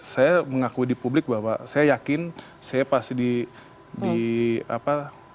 saya mengakui di publik bahwa saya yakin saya pasti di apa